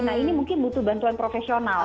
nah ini mungkin butuh bantuan profesional